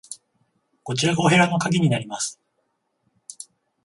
こちらがお部屋の鍵になります。